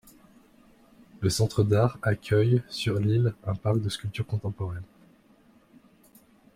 Le centre d’art accueille, sur l'île, un parc de sculptures contemporaines.